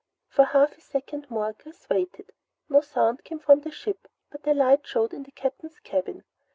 For half a second more Chris waited. No sound came from the ship but a light showed in the Captain's cabin.